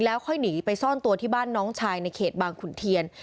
แล้วค่อยหนีไปซ่อนตัวที่บ้านน้องชายในเขตบางขุนเทียน